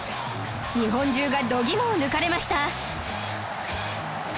日本中が度肝を抜かれました